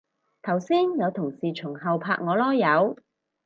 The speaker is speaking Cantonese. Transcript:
頭先有同事從後拍我籮柚